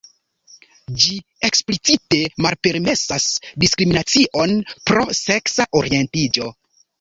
Ĝi eksplicite malpermesas diskriminacion pro seksa orientiĝo.